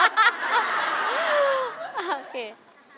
โอเค